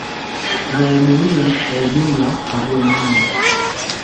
na ya dunia kwa ujumla Ndio mana